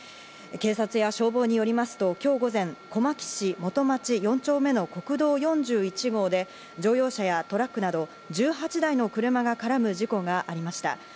警察や消防によりますと今日午前、小牧市元町４丁目の国道４１号で、乗用車やトラックなど１８台の車が絡む事故がありました。